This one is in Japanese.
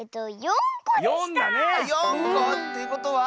４こ⁉ということは。